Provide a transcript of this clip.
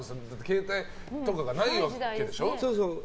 携帯とかがない時代でしょ。